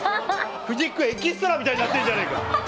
藤木君エキストラみたいになってんじゃねえか。